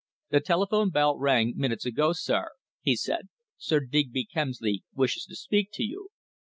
"The telephone bell rang ten minutes ago, sir," he said. "Sir Digby Kemsley wishes to speak to you."